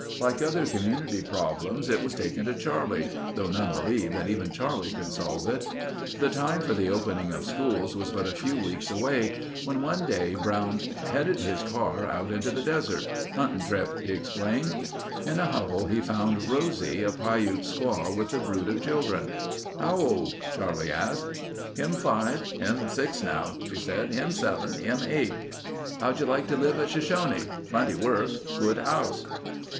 Like other community problems it was taken to Charlie, though none believed that even Charlie could solve it. The time for the opening of schools was but a few weeks away when one day Brown headed his car out into the desert. "Hunting trip," he explained. In a hovel he found Rosie, a Piute squaw with a brood of children. "How old?" Charlie asked. "Him five ... him six now," she said. "Him seven. Him eight." "How'd you like to live at Shoshone? Plenty work. Good house."